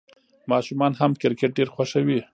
ماشومان هم کرکټ ډېر خوښوي.